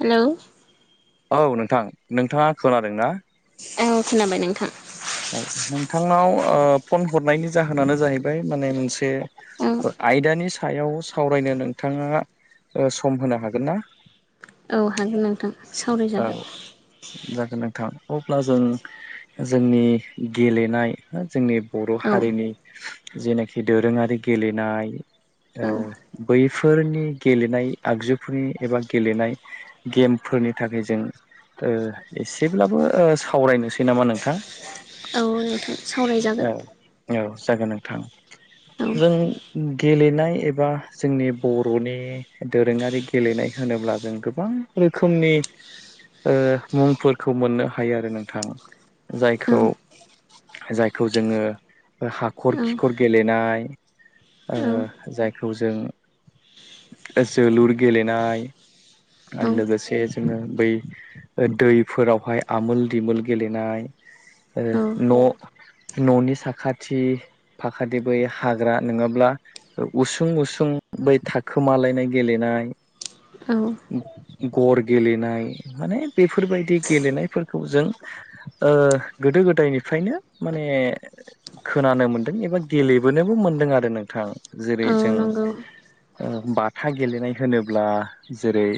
Hello औ नोंथां नोंथाङा खोनादों ना ओ खोनाबाय नोंथां नोंथांनाव ओ फन हरनायनि जाहोनानो जाहैबाय माने मोनसे औ आयदानि सायाव सावरायनो नोंथाङा ओ सम होनो हागोन ना? औ हागोन नोंथां सावरायजागोन औ जागोन नोंथां अब्ला जों जोंनि गेलेनाय जोंनि बर' औ हारिनि जेनाखि दोरोङारि गेलेनाय ओ औ बैफोरनि गेलेनाय आगजुफोरनि एबा गेलेनाय गेमफोर फोरनि थाखाय जों ओ एसेब्लाबो ओ सावरायनोसै नामा नोंथां। औ नोंथां सावरायजागोन औ औ जागोन नोंथां औ जों गेलेनाय एबा जोंनि बर'नि दोरोङारि गेलेनाय होनोब्ला जों गोबां रोखोमनि ओ मुंफोरखौ मोननो हायो आरो नोंथां औ जायखौ जायखौ जोङो हाखर औ खिखर गेलेनाय ओ जायखौ जों जोलुर गेलेनाय आरो लोगोसे जोङो बै दै फोरावहाय आमोल दिमोल गेलेनाय ओ औ न' न'नि साखाथि फाखाथि बै हाग्रा नोङाब्ला उसुं उसुं सुं बै थाखोमालायनाय गेलेनाय औ गर गेलेनाय माने बेफोरबायदि गेलेनायफोरखौ जों ओ गोदो गोदायनिफ्रायनो माने खोनानो मोनदों एबा गेलेबोनोबो मोनदों आरो नोंथां जेरै औ जों नंगौ बाथा ओ गेलेनाय होनोब्ला जेरै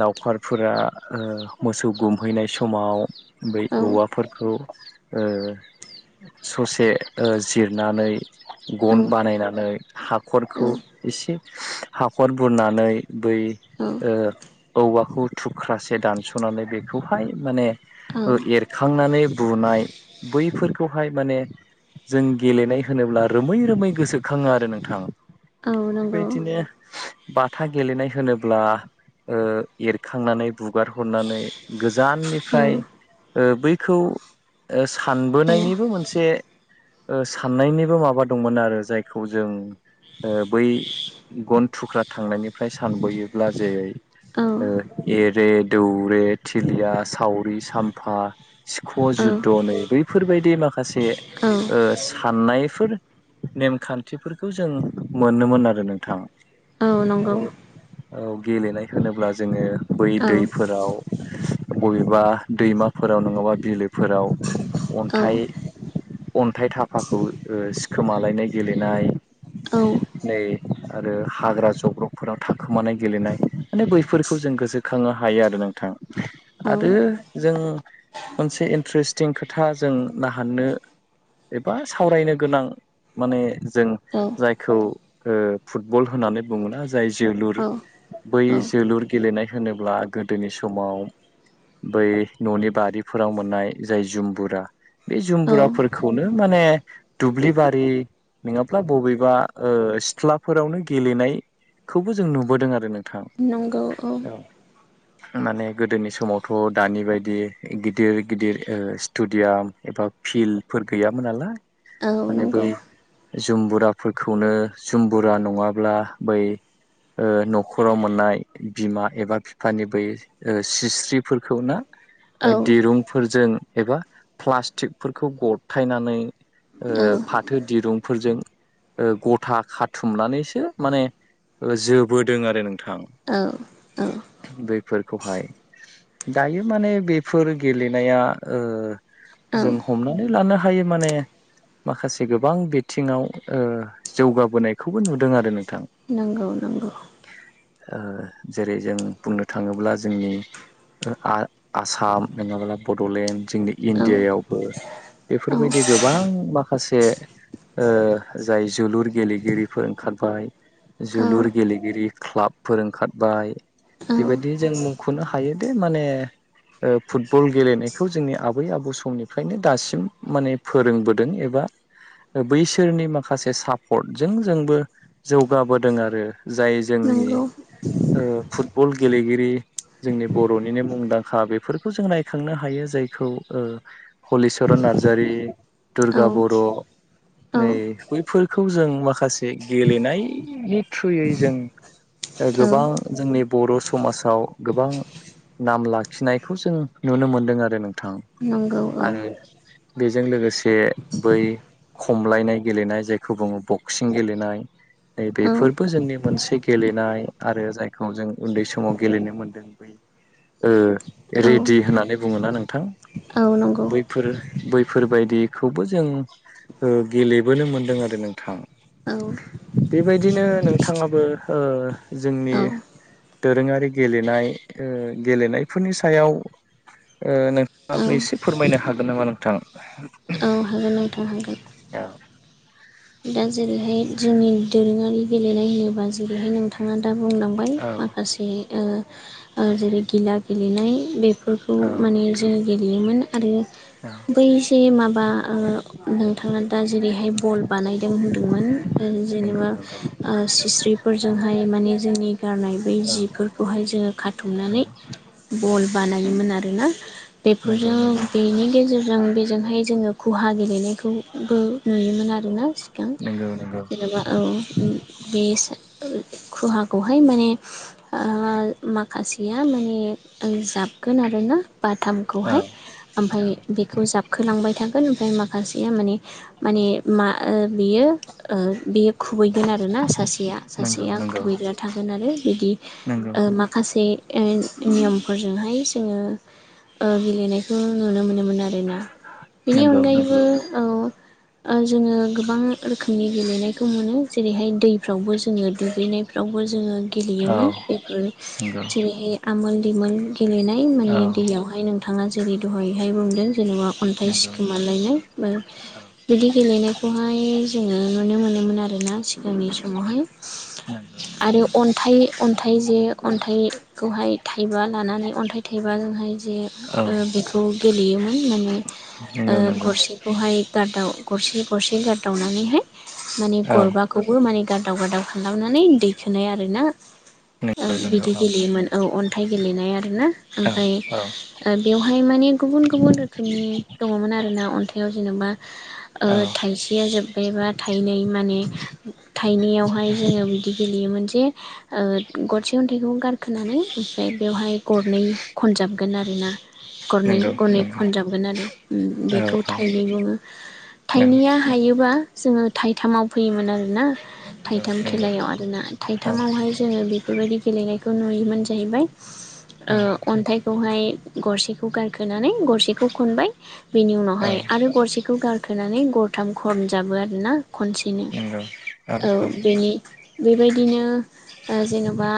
लावखारफोरा ओ मोसौ गुमहैनाय समाव बै औ औवा खौ ओ ससे जिरनानै औ गन बानायनानै औ हाखरखौ एसे हाखर बुरनानै बै औ ओ औवाखौ थुख्रासे दानस'नानै बेखौहाय माने औ एर खांनानै बुनाय बैफोरखौहाय माने जों गेलेनाय होनोब्ला रोमै रोमै मै गोसोखाङो आरो नोंथाङा औ नंगौ बाथा गेलेनाय होनोब्ला ओ एरखांनानै बुगार हरनानै औ गोजाननिफ्राय ओ बैखौ औ सानबोनायनिबो मोनसे ओ साननायनिबो माबा दंमोन आरो जायखौ जों ओ बै गन थुख्रा थांनायनिफ्राय सानबोयोब्ला जेरै औ ओ एरे दौरे थिलिया सावरि साम फा सिख' जुद्ध' नै बैफोरबायदि माखासे औ ओ साननायफोर नेमखान्थिफोरखौ जों मोनोमोन आरो नोंथां। औ नंगौ आरो औ गेलेनाय होनोब्ला जोङो बै औ दैफोराव बबेबा दैमाफोराव नङाबा बिलोफोराव औ अन्थाइ औ अन्थाइ थाफाखौ ओ सिखोमालायनाय गेलेनाय [unintelligible] नै आरो हाग्रा जब्रबफोराव थाखोमानाय गेलेनाय माने बैफोरखौ जों गोसोखाङो हायो आरो नोंथां आरो जों मोनसे इन्ट्रेस्टिं खोथा जों नाहाननो एबा सावरायनो गोनां माने जों औ जायखौ ओ फुटबल होननानै बुङोना जाय जोलुर औ बै जोलुर गेलेनाय होनोब्ला गोदोनि समाव बै न'नि बारिफोराव मोननाय जाय जुमबुरा बे जुमबुराफोरखौनो माने दुब्लि बारि नङाब्ला बबेबा ओ सिथ्लाफोरावनो गेलेनाय। खौबो जों नुबोदों आरो नों नंगौ औ खानानै गोदोनि समावथ' दानि बाय दि गिदिर गिदिर स्टेडियाम एबा फिल्डफोर गैयाब्लालाय औ नंगौ। जों बुराफोरखौनो जों बुरा नङाब्ला बै न'खराव मोननाय बिमा एबा बिफानि बै सिस्रिफोरखौना औ दिरुंफोरजों एबा फ्लास्टिकफोरखौ गथायनानै फाथो दिरुंफोरजों गथा खाथुमनानैसो माने जोबोदों आरो नोंथां। औ औ बैफोरखौहाय दायो माने बेफोर गेलेनाया ओ औ जों हमनानै लानो हायो माने माखासे गोबां बिथिङाव जौगाबोनायखौबो नुदों आरो नों नंगौ नंगौ जेरै जों बुंनो थाङोब्ला जोंनि ओ आ आसाम नङाब्ला बड'लेण्ड जोंनी औ इण्डियायावबो औ बेफोरबायदि गोबां बा माखासे जाय जोलुर गेलेगिरिफोर ओंखारबाय जोलुर औ गेलेगिरि क्लाबफोर ओंखारबाय औ बेबादि जों मुखनो हायो दे माने फुटबल गेलेनायखौ जोंनि आबै आबौ समनिफ्रायनो दासिम माने फोरोंबोदों ए बा बैसोरनि माखासे सापर्टजों जोंबो जौगाबोदों आरो जाय जोंनि नंगौ फुटबल गेलेगिरि जोंनि बर'निनो मुंदां खा बेफोरखौ जों रायखांनो हायो जायखौ हलिचरन नारजारि औ दुरगा बर' औ नै बैफोरखौ जों माखासे गेलेनायनि थ्रुयै जों औ गोबां जोंनि बर' समाजाव गोबां नाम लाख खिनायखौ जों नुनो मोनदों आरो नोंथां नंगौ आरो औ बेजों लोगोसे बै खमलायनाय गेलेनाय जायखौ बुङो बक्सिं गेलेनाय नै औ बेफोरबो जोंनि मोनसे गेलेनाय आरो जायखौ जों उन्दै समाव गेलेनो मोनदों बै औ रेडि होननानै बुङोना नोंथां? औ नंगौ। बैफोर बैफोरबायदिखौबो जों ओ गेलेबोनो मोनदों आरो नोंथां। औ बेबायदिनो नोंथाङाबो ओ जोंनि दोरोङारि गेलेनाय गेलेनाय ओ गेलेनाय फोरनि सायाव औ नोंथाङाबो एसे फोरमायनो हागोन नामा नोंथां? औ हागोन नोंथां हागोन। औ दा जेरैहाय जोंनि दोरोङारि गेलेनाय होनोबा जेरैहाय नोंथाङानो ङा बुलांबाय औ माखासे जेरै गिला गेलेनाय बेफोर फोरखौ औ माने नोंथां जोंङ गेलेयोमोन आरो औ बै जे माबा ओ नोंथाङा दा जेरैहाय बल बानायदों होनदोंमोन नंगौ जेनेबा नंगौ सिस्टिमफोरा माने जोंनि गारनाय बै औ जिफोरखौहाय जोङो औ खाथुमनानै ब बन बानायोमोन आरोना नंगौ बेफोरजों नंगौ बेनि गेजेर जों बेजोंहाय जोङो खहा गेलेनायखौबो नुयोमोन आरोना सि गां नंगौ नंगौ जेनेबा औ बे खुहाखौहाय माने माखासेया माने जाब गोन आरोना औ बाथामखौहाय आमफाय औ बेखौ जाबखोलांबाय थागोन आमफाय मा खासेया माने माने मा बियो बियो खु खुबैगोन आरोना सासेया नंगौ सासेया नंगौ खुबैग्रा थागोन आरो बिदि ओ माखासे ओन नियमफोरजोंहाय जोङो ओ गेलेनायखौ नुनो मोनो। मोन आरोना बेनि नंगौ नंगौ अनगायैबो औ ओ जोङो गोबां रोखोमनि गेलेनायखौ मोनो जेरैहाय दैफ्रावबो जोङो दुगैनायफ्रावबो जोङो औ गेलेयोमोन बेफोर नंगौ जेरैहाय आमोल दिमोल गेलेनाय औ माने दैयावहाय नोंथाङा जेरै दहाय हाय बुंदों जेनेबा अन्थाइ नंगौ नंगौ सिखोमालायनाय बा औ दि गेलेनायखौहाय जोङो नुनो मोनोमोन आरोना सिगांनि समावहाय। नंगौ आरो अन्थाइ अन्थाइ जे अन्थाइखौहाय थाइबा लानानै अन्थाइ थाइबा जोंहाय जे औ ओ बेखौ गेलेयोमोन माने ओ नंगौ नंगौ औ नंगौ औ गरसेखौहाय दाव गरसे गरसे गारदावनानैहाय माने औ गरबाखौबो माने गारदाव गारदाव खालामनानै दैखोनाय आरोना [inaudible] आं बिदि गेलेयोमोन औ अन्थाइ गेलेनाय आरोना ओमफाय ओ बेवहाय माने गुब गुबुन गुबुन रोखोमनि दङमोन आरोना अन्थाइयाव जेन'बा ओ थाइसेया जोब्बायबा थाइनै माने उम थाइनैयावहाय जोङो बिदि गेलेयोमोन जे ओ गरसे अनथाइखौ गारखोनानै ओमफ्राय बेवहाय गरनै खन जाबगोन आरो ना गरनै नंगौ गरनै नंगौ खनजाबगोन आरो उम बेखौ औ औ थाइनै बुङो। थाइनैया हायोबा जोङो थाइथामाव फैयोमोन आरोना नंगौ थाइथाम नंगौ खेलायाव आरोना औ थाइथामावहाय जोङो बेफोरबायदि गेलेनायखौ नुयोमोन जाहैबाय। ओ अन्थाइखौहाय गरसेखौ गारखोनानै गरसेखौ खनबाय। बेनि औ उनावहाय आरो गरसेखौ गारखोनानै गरथाम खनजाबो आरोना खनसेनो। नंगौ औ बेनि बेबायद दिनो ओ जेन'बा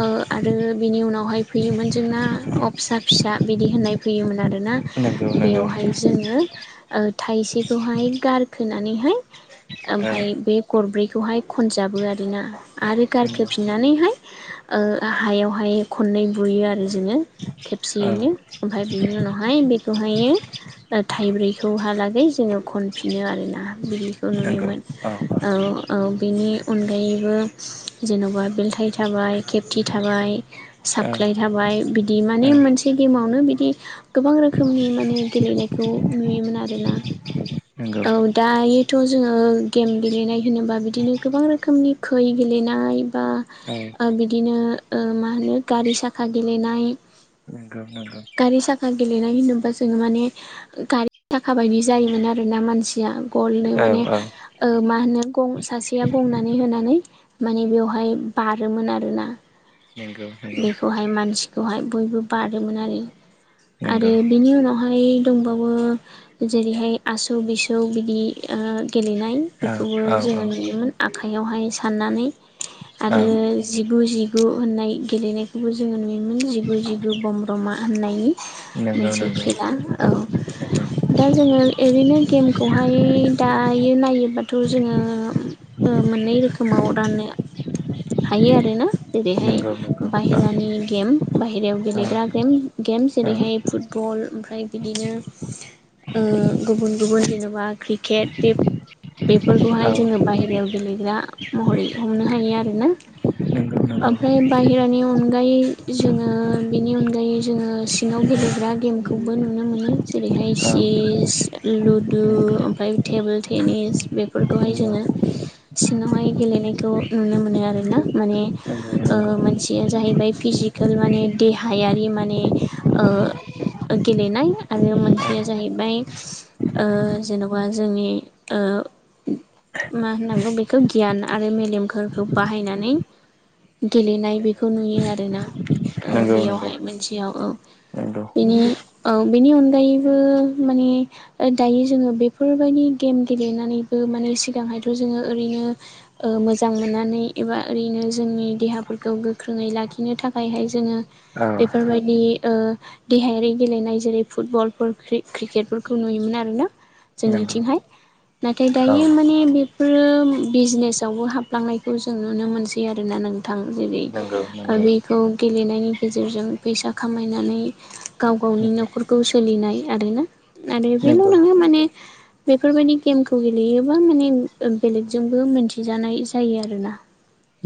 ओ आरो बिनि उनावहाय फैयोमोन जोंना अ फिसा फिसा बिदि होननाय फैयोमोन आरोना नंगौ नंगौ बेवहाय जोङो ओ थाइसेखौहाय गारखोनानैहाय औ ओमफाय बे गरब्रै खौहाय खनजाबो आरोना आरो नंगौ गारखोफिननानैहाय ओ हायावहाय खननै बुयो आरो जोङो औ खेबसेयैनो ओमफाय बिनि उनावहाय बेखौहायो ओ थाइब्रै सौहालागै जोङो खनफिनो आरोना बिदिखौ नुयोमोन औ औ बिनि ओ अनगायैबो जेन'बा बेलथाय थाबाय खेबथि थाबाय साबख्लाय थाबाय बिद दि माने औ मोनसे गेमावनो बिदि गोबां रोखोमनि माने गेलेनायखौ नुयो मोन आरोना नंगौ औ दायोथ' जोङो गेम गेलेनाय होनोबा बिदिनो गोबां रोखोमनि खै गेले हैनाय बा औ ओ बिदिनो ओ मा होनो गारि साखा गेलेनाय नोंग गारि साखा गेलेनाय होनोबा जोङो माने ओ गारि थाखा बायदि जायोमोन आरोना मानसिया गलनो औ माने औ ओ मा होनो गं सासेया गंनानै होनानै माने बेवहाय बारोमोन आरोना नंगौ नंगौ औ नंगौ औ नंगौ औ नंगौ औ नंगौ औ नंगौ बेखौहाय मानसिखौहाय बयबो बारोमोन आरो आरो बिनि उनावहाय दंबावो जेरैहाय आसौ बिसौ बिदि ओ गेलेनाय बेखौबो जोङो औ नुयोमोन आखाइयावहाय साननानै आरो जिगु जिगु होननाय गेलेनायखौबो जोङो नुयोमोन जिगु जिगु बम्रमा होननाय मोनसे खेला औ दा जोङो एरैनो गेमख खौहाय दायो नायोबाथ' जोङोम ओ मोननै रोखोमाव रान्नो हायो आरोना जेरैहाय बाहेरानि गेम बाहेरायाव गेलेग्रा गेम ओ गेम जेरैहाय फुटबल ओमफ्राय बिदिनो गुबुन गुबुन जेनेबा क्रिकेट बे बेफोरखौहाय जोङो बाहेरायाव गेलेग्रा महरै हमनो हायो आरोना आमफ्राय बाहेरा बेनि अनगायै जोङो बेनि अनगायै जोङो सिङाव गेलेग्रा गेमखौबो नुनो मोनो। जेरैहाय चिस लुदु ओमफ्राय टेबोल टेनिस बेफोरखौहाय जों सिंआवहाय गेलेनायखौ नुनो मोनो आरोना माने ओं जाहैबाय फिजिकेल माने देहायारि माने ओं गेलेनाय आरो मोनसेया जाहैबाय जेन'बा जोंनि [inaudible] मा होननांगौ बेखौ गियान आरो मेलेमफोरखौ बाहायनानै गेलेनाय बिदि बेखौ नुयो आरोना बेयावहाय मोनसेयाव नंगौ। बेनि औ बेनि अनगायैबो माने दायो जोङो बेफोरबायदि गेम गेलेनानैबो माने सिगांहायथ' जोङो ओरैनो मोजां मोननानै एबा ओरैनो जों जोंनि देहाफोरखौ गोख्रोङै लाखिनो थाखाय हाय जोङो बेफोरबायदि देहायारि गेलेनाय जेरै फुटबलफोर क्रिकेटफोरखौ नुयोमोन आरोना। जोंनिथिंहाय नाथाय दायो माने बेफोरो बिजनेसावबो हाबलांनायखौ जों नुनो मोनसै आरोना नोंथां जेरै नंगौ नंगौ बेखौ गेलेनायनि गेजेरजों फैसा खामायनानै गाव गावनि नंगौ न'खरखौ सोलिनाय आरोना आरो बेल नंगौ नोङो माने बेफोरबायदि गेमखौ गेलेयोबा माने बेलेगजोंबो मोनथि जानाय जायो आरोना।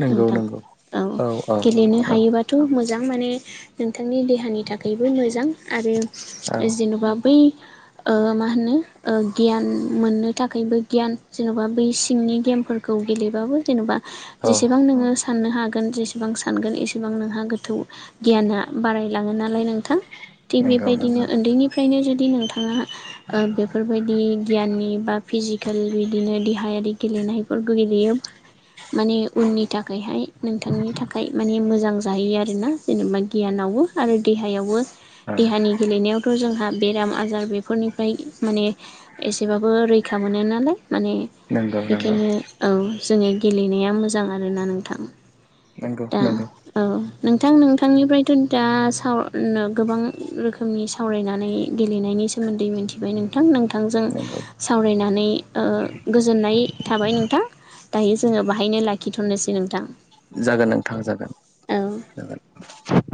नंगौ नोंथां नंगौ औ। औ गेलेनो औ हायोबाथ' मोजां माने नोंथांनि देहानि थाखायबो मोजां आरो। औ जेन'बा बै। मा होनो गियान मोननो थाखायबो गियान जेन'बा बै सिंनि गेमफोरखौ गेलेबाबो जेनेबा औ जेसेबां नोङो साननो हागोन जे बेसेबां सानगोन इसेबां नोंहा गोथौ गियाना बारायलाङो नालाय नों नोंथां थिग नंगौ बेबायदिनो नंगौ उन्दैनिफ्रायनो जुदि नोंथाङा बेफोरबायदि गियाननि बा फिजिकेल बिदिनो देहायारि गेलेनाय गेलेयो माने उननि थाखायहाय नों थाखाय माने मोजां जाहैयो आरोना। जेनेबा नंगौ गियानावबो आरो देहायावबो औ देहानि गेलेनायावथ' जोंहा बेराम आजार बेफोरनिफ्राय माने एसेबाबो रैखा मोनो नालाय माने नंगौ नंगौ बेखायनो औ। जोङो गेलेनाया मोजां आरोना नोंथां। नंगौ दा नंगौ औ नोंथां नोंथां नोंथांनिफ्रायथ' दा सावरायनो गोबां रोखोमनि सावरायनानै गेलेनायनि सोमोन्दै मोन मिथिबाय नोंथां नोंथांजों नंगौ सावरायनानै गोजोननाय थाबाय नोंथां दायो जोङो बाहायनो लाखिथ'नोसै नोंथां। जागोन नोंथाङा जागोन औ जागोन।